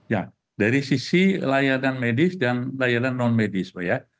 ya dari sisi layanan medis dan layanan non medis pak ya